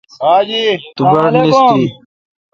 تو۔ باڑنیستی